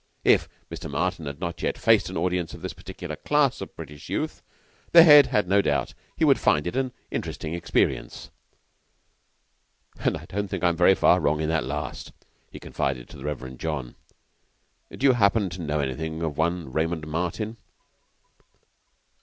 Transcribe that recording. If Mr. Martin had not yet faced an audience of this particular class of British youth, the Head had no doubt that he would find it an interesting experience. "And I don't think I am very far wrong in that last," he confided to the Reverend John. "Do you happen to know anything of one Raymond Martin?"